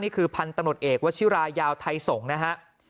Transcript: นี่คือภันตำรวจเอกวชิรายาวไทยสงค์